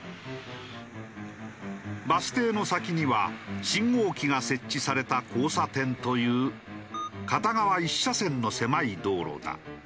バス停の先には信号機が設置された交差点という片側一車線の狭い道路だ。